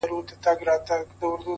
علم د پرمختګ لاره روښانه کوي.!